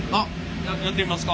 やってみますか？